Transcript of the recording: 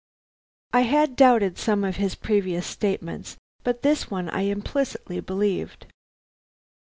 "I had doubted some of his previous statements, but this one I implicitly believed.